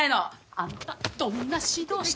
あんたどんな指導しとるんやて！